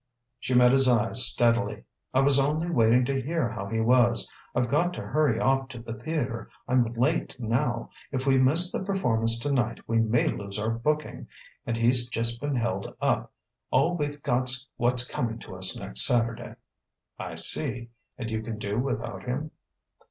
She met his eyes steadily. "I was only waiting to hear how he was. I've got to hurry off to the theatre. I'm late now. If we miss the performance tonight, we may lose our booking. And he's just been held up all we've got's what's coming to us next Saturday." "I see. And you can do without him?"